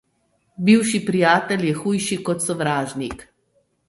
Bivši prijatelj je hujši kot sovražnik.